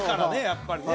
やっぱりね